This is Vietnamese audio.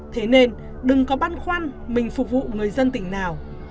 thế nên đừng có băn khoăn mình phục vụ người dân tỉnh nào